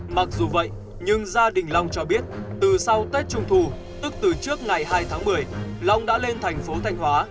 mặc dù vậy nhưng gia đình long cho biết từ sau tết trung thu tức từ trước ngày hai tháng một mươi long đã lên thành phố thanh hóa